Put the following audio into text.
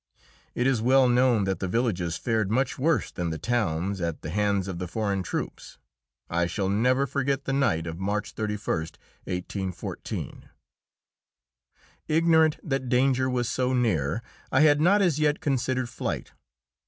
It is well known that the villages fared much worse than the towns at the hands of the foreign troops. I shall never forget the night of March 31, 1814. Ignorant that danger was so near, I had not as yet considered flight.